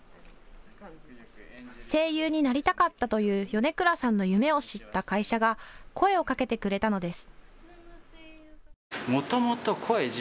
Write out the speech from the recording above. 声優になりたかったという米倉さんの夢を知った会社が声をかけてくれたのです。